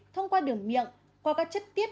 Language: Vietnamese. thông qua đường miệng qua các chất tiết